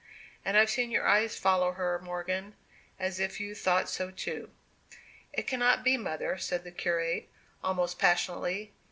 And I've seen your eyes follow her, Morgan, as if you thought so too." "It cannot be, mother," said the curate, almost passionately.